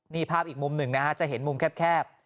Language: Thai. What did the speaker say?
นี่ภาพอีกมุมหนึ่งนะฮะจะเห็นมุมแคบ